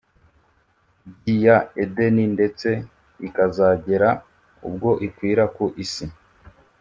byi ya edeni ndetse ikazagera ubwo ikwira ku isi